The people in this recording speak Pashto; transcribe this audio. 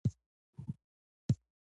تل خپل سر ووینځئ وروسته له تېلو.